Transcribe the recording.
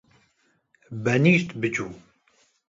Benîşt biçû